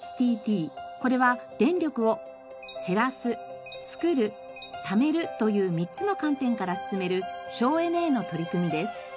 これは電力を「へらすつくるためる」という３つの観点から進める省エネへの取り組みです。